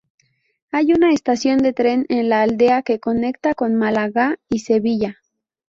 Hay una estación de tren en la aldea que conecta con Málaga y Sevilla.